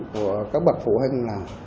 cái vấn đề của các bậc phụ huynh là